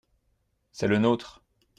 C’est le nôtre.